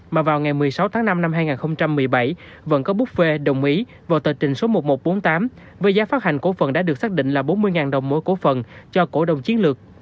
mà vào ngày một mươi sáu tháng năm năm hai nghìn một mươi bảy vẫn có bút phê đồng ý vào tờ trình số một nghìn một trăm bốn mươi tám với giá phát hành cổ phần đã được xác định là bốn mươi đồng mỗi cổ phần cho cổ đồng chiến lược